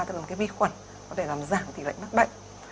tức là một cái vi khuẩn có thể làm giảm tỷ lệnh mắc bệnh